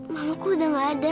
mamaku udah gak ada